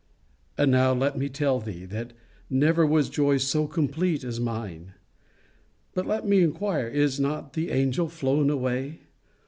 And now, let me tell thee, that never was joy so complete as mine! But let me inquire, is not the angel flown away?